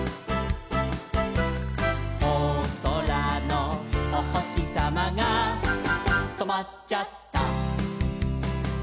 「おそらのおほしさまがとまっちゃった」